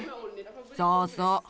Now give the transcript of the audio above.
そうそう。